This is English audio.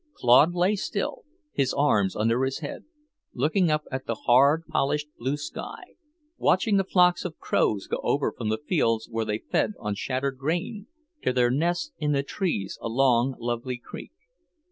Claude lay still, his arms under his head, looking up at the hard, polished blue sky, watching the flocks of crows go over from the fields where they fed on shattered grain, to their nests in the trees along Lovely Creek.